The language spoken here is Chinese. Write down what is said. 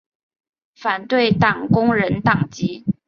反对党工人党籍。